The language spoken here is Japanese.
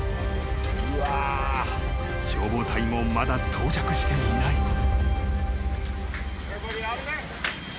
［消防隊もまだ到着していない］